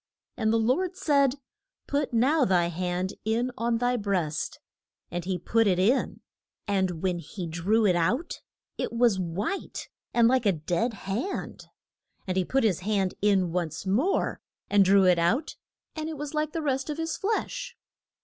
And the Lord said, Put now thy hand in on thy breast. And he put it in, and when he drew it out it was white, and like a dead hand. And he put his hand in once more, and drew it out, and it was like the rest of his flesh.